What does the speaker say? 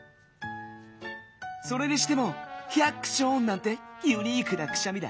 それにしても「ヒャクショーン！」なんてユニークなくしゃみだ。